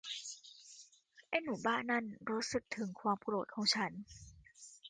ไอ้หนูบ้านั่นรู้สึกถึงความโกรธของฉัน